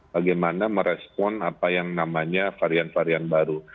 bagaimana merespon apa yang namanya varian varian baru